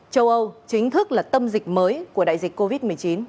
châu âu chính thức là tâm dịch mới của đại dịch covid một mươi chín